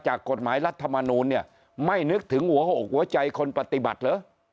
จากกฎหมายรัฐมนุนเนี่ยไม่นึกถึงหัวใจคนปฏิบัติหรือ